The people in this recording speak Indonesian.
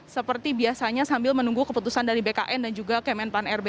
seperti biasanya sambil menunggu keputusan dari bkn dan juga kemenpan rb